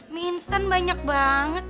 mie instan banyak banget